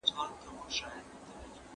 هېواد لپاره کار وکړئ.